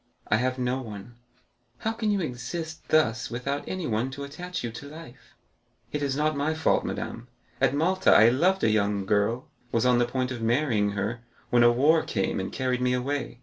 "I have no one." "How can you exist thus without anyone to attach you to life?" "It is not my fault, madame. At Malta, I loved a young girl, was on the point of marrying her, when war came and carried me away.